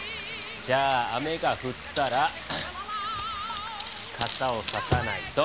じゃあ雨がふったらかさをささないと。